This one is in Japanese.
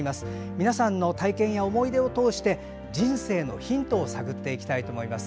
皆さんの体験や思いでを通して人生のヒントを探っていきます。